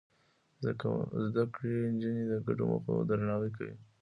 زده کړې نجونې د ګډو موخو درناوی کوي.